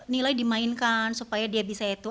nilai dimainkan supaya dia bisa itu